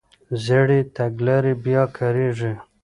زړې تګلارې بیا کارېږي.